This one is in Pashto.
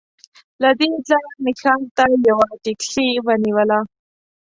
له دې ځایه مې ښار ته یوه ټکسي ونیوله.